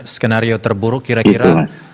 skenario terburuk kira kira